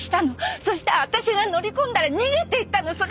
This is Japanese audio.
そして私が乗り込んだら逃げていったの。